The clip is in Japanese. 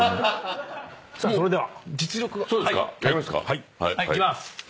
はいいきまーす。